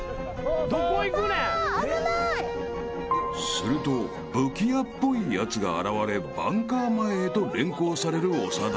［すると武器屋っぽいやつが現れバンカー前へと連行される長田］